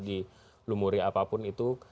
dilumuri apapun itu